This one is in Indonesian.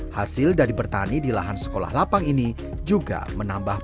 hasil dari bertani di lahan sekolah lapang ini juga menambahkan